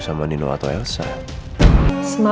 nama anak kedua mamah